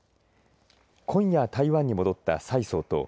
今夜、台湾に戻った蔡総統。